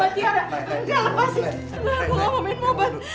aku gak mau minum obat